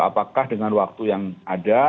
apakah dengan waktu yang ada